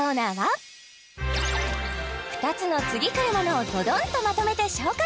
２つの次くるものをドドンとまとめて紹介